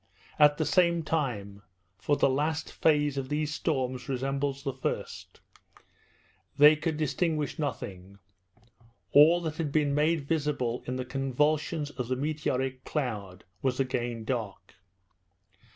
At the same time (for the last phase of these storms resembles the first) they could distinguish nothing; all that had been made visible in the convulsions of the meteoric cloud was again dark.